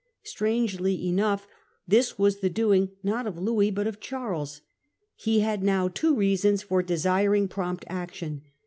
Strangely enough, this was the doing, not of Louis, but of Charles. He had now two reasons for desiring prompt action.